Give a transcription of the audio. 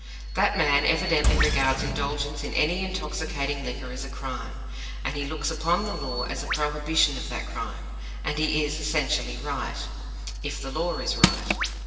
That man evidently regards indulgence in any intoxicating liquor as a crime, and he looks upon the law as a prohibition of that crime. And he is essentially right, if the law is right.